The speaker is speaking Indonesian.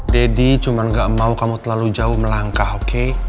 deddy cuma gak mau kamu terlalu jauh melangkah oke